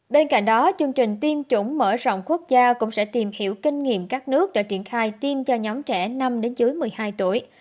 bên cạnh đó chương trình tiêm chủng mở rộng quốc gia cũng sẽ tìm hiểu kinh nghiệm các nước đã triển khai tiêm cho nhóm trẻ năm đến dưới một mươi hai tuổi